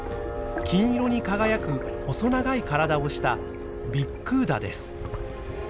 金色に輝く細長い体をしたビックーダです。